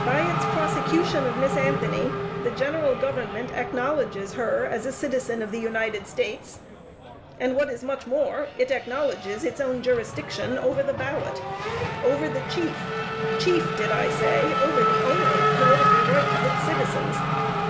By its prosecution of Miss Anthony, the general government acknowledges her as a citizen of the United States, and what is much more, it acknowledges its own jurisdiction over the ballot over the chief chief, did I say, over the only political right of its citizens.